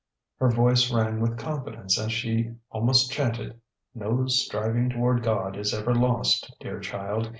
Her voice rang with confidence as she almost chanted: "No striving toward God is ever lost, dear child.